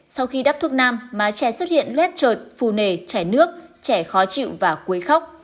sau khi đắp thuốc nam má trẻ xuất hiện lét trợt phù nề chảy nước trẻ khó chịu và quấy khóc